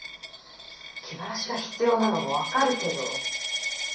気晴らしが必要なのも分かるけど。